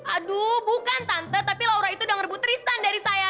aduh bukan tante tapi laura itu dengerbut tristan dari saya